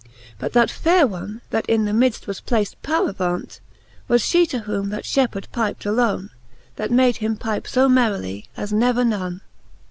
But that faire one, That in the midft was placed paravaunt, Was fhe, to whom that (hepheard pypt alone, That made him pipe fo merrily, as never none.